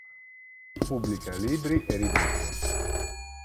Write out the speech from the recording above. Pubblica libri e riviste.